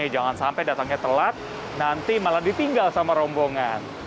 jangan sampai datangnya telat nanti malah ditinggal sama rombongan